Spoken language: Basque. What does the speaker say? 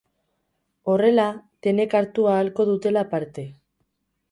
Horrela, denek hartu ahalko dutelako parte.